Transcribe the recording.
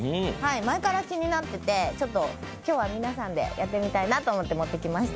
前から気になってて今日は皆さんでやってみたいなと思って持ってきました。